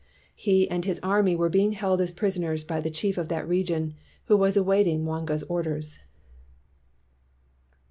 He and his army were being held as prisoners by the chief of that region who was awaiting Mwanga's orders.